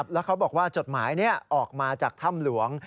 แล้วเขาบอกว่าจดหมายนี้ออกมาจากถ้ำหลวง